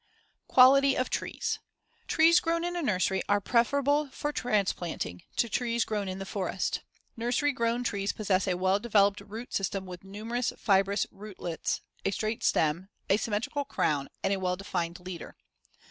Quality of trees: Trees grown in a nursery are preferable for transplanting to trees grown in the forest. Nursery grown trees possess a well developed root system with numerous fibrous rootlets, a straight stem, a symmetrical crown, and a well defined leader.